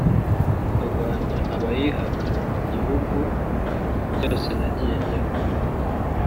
Kurwanya abayihakana mu bihugu byose nagiye njyamo